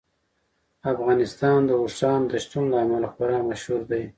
افغانستان د اوښانو د شتون له امله خورا مشهور دی.